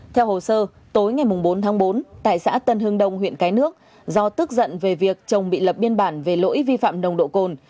theo hồ sơ tối ngày bốn tháng bốn tại xã tân hưng đông huyện cái nước do tức giận về việc chồng bị lập biên bản về lỗi vi phạm nồng độ cồn